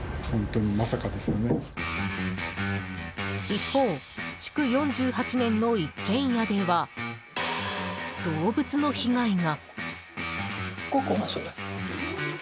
一方、築４８年の一軒家では動物の被害が。